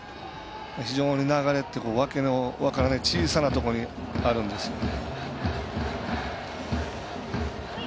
非常に流れって分かれ目が小さなところにあるんですよね。